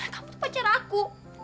kamu tuh pacar aku